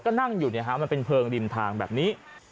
ก็นั่งอยู่มันเป็นเพลิงริมทางแบบนี้